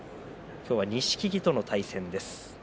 今日は錦木との対戦です。